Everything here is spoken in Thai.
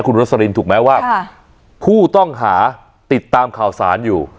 คุณรสลินถูกไหมว่าผู้ต้องหาติดตามข่าวสารอยู่